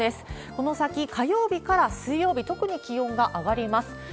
この先火曜日から水曜日、特に気温が上がります。